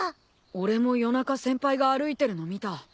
俺も夜中先輩が歩いてるの見た。